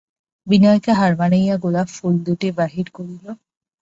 বিনয়কে হার মানাইয়া গোলাপ ফুল দুইটি বাহির করিল।